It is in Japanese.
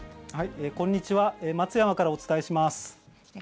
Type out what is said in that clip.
こんにちは松山からお伝えします。